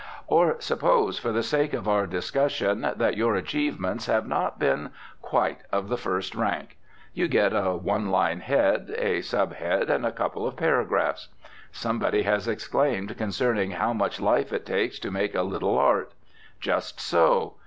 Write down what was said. Or, suppose for the sake of our discussion that your achievements have not been quite of the first rank. You get a one line head, a sub head, and a couple of paragraphs. Somebody has exclaimed concerning how much life it takes to make a little art. Just so.